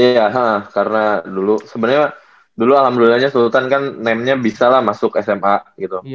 iya karena dulu sebenernya dulu alhamdulillahnya sultan kan namenya bisa lah masuk sma gitu